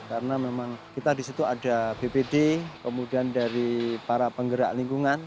karena memang kita di situ ada bpd kemudian dari para penggerak lingkungan